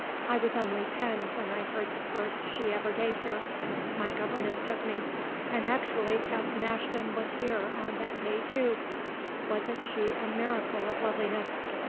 I was only ten when I heard the first she ever gave here; my governess took me; and actually Captain Ashton was here on that day, too. Wasn't she a miracle of loveliness?